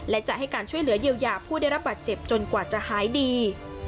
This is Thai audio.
และจะให้การช่วยเหลือเยียวยาผู้ได้รับบาดเจ็บจนกว่าจะหายดี